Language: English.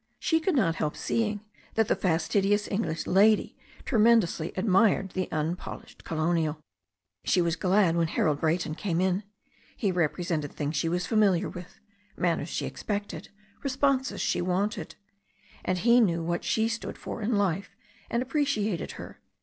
She could not help seeing that the fastidious English lady tremen dously admired the unpolished colonial. She was glad when Harold Brayton came in. He repre sented things she was familiar with, manners she expected, responses she wanted. And he knew what she stood for in life, and appreciated her.